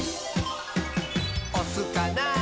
「おすかな？